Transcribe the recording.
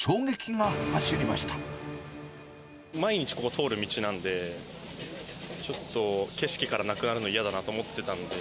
毎日、ここ通る道なんで、ちょっと景色からなくなるの嫌だなと思ってたんで。